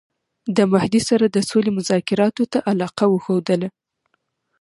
د مهدي سره د سولي مذاکراتو ته علاقه وښودله.